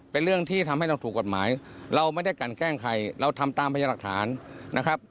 เป็นเรื่องที่ทำให้เราถูกกฎหมายเราไม่ได้กันแกล้งใครเราทำตามพยาหลักฐานนะครับ